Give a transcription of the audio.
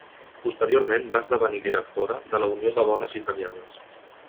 Posteriorment va esdevenir directora de la Unió de Dones Italianes.